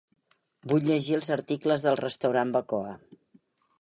Vull llegir els articles del restaurant Bacoa.